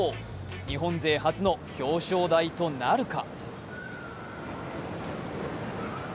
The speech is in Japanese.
日本勢初の表彰台となるか。